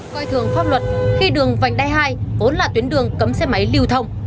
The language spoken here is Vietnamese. coi thường pháp luật khi đường vành đai hai vốn là tuyến đường cấm xe máy lưu thông